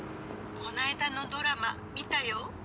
こないだのドラマ見たよ。